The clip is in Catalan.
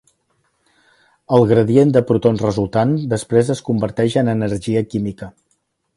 El gradient de protons resultant després es converteix en energia química.